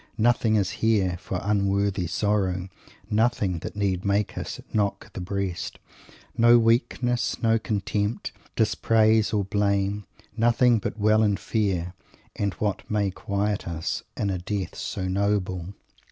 "Nothing is here" for unworthy sorrow; "nothing" that need make us "knock the breast;" "No weakness, no contempt, dispraise or blame nothing but well and fair, and what may quiet us in a death so noble."